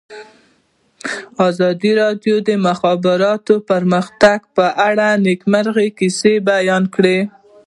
ازادي راډیو د د مخابراتو پرمختګ په اړه د نېکمرغۍ کیسې بیان کړې.